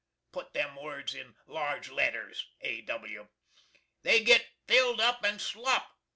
[Put them words in large letters A. W.] They git filled up and slop.